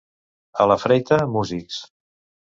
A la Freita, músics.